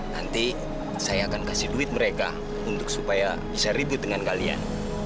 nanti saya akan kasih duit mereka supaya bisa ribut dengan kalian